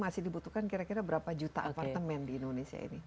masih dibutuhkan kira kira berapa juta apartemen di indonesia ini